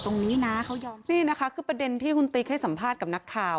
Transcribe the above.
นี่นะคะคือประเด็นที่คุณติ๊กให้สัมภาษณ์กับนักข่าว